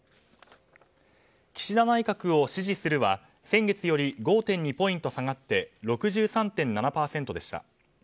岸田内閣を支持するは、先月より５．２ポイント下がって６３．７％でした。